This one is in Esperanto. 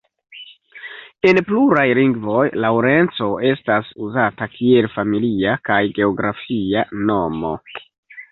En pluraj lingvoj Laŭrenco estas uzata kiel familia kaj geografia nomo.